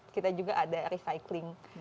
kita juga ada recycling